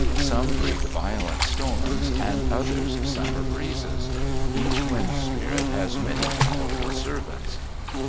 Some breathe violent storms and others summer breezes. Each wind spirit has many powerful servants.